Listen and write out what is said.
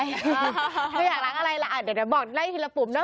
อยากล้างอะไรล่ะเดี๋ยวบอกไล่ทีละปุ่มเนอ